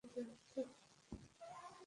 পুরানো পরিকল্পনার কী হবে?